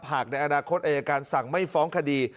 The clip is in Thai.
ในอนาคตอายการสั่งไม่ฟ้องคดี